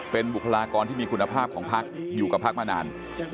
เป็นบุคลากรที่มีคุณภาพของพักอยู่กับพักมานาน